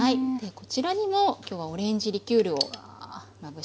こちらにも今日はオレンジリキュールをまぶしてあります。